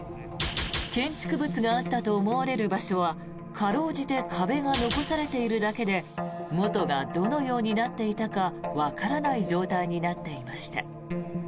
建築物があったと思われる場所は辛うじて壁が残されているだけで元がどのようになっていたかわからない状態になっていました。